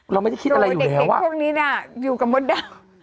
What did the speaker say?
เราไม่ได้คิดอะไรอยู่แล้วอ่ะ